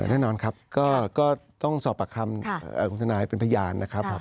แน่นอนครับก็ต้องสอบปากคำคุณทนายเป็นพยานนะครับ